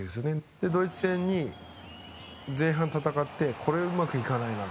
で、ドイツ戦に前半戦ってこれはうまくいかないなと。